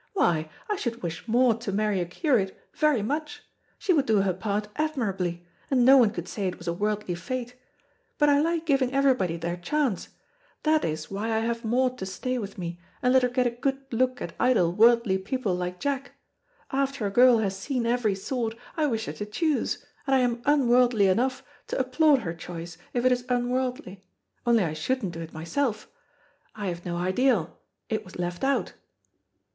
Why, I should wish Maud to marry a curate very much. She would do her part admirably, and no one could say it was a worldly fate. But I like giving everybody their chance. That is why I have Maud to stay with me, and let her get a good look at idle worldly people like Jack. After a girl has seen every sort, I wish her to choose, and I am unworldly enough to applaud her choice, if it is unworldly; only I shouldn't do it myself. I have no ideal; it was left out."